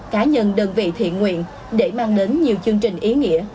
cá nhân đơn vị thiện nguyện để mang đến nhiều chương trình ý nghĩa